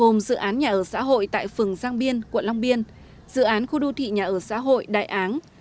gồm dự án nhà ở xã hội tại phường giang biên quận long biên dự án khu đô thị nhà ở xã hội đại áng